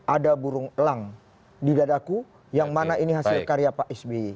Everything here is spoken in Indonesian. ada burung elang di dadaku yang mana ini hasil karya pak sby